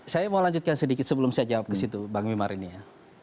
saya mau lanjutkan sedikit sebelum saya jawab ke situ bang wimar ini ya